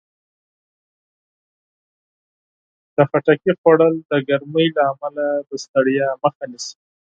د خټکي خوړل د ګرمۍ له امله د ستړیا مخه نیسي.